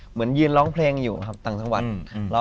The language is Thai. เหมือนยืนร้องเพลงอยู่ครับต่างจังหวัด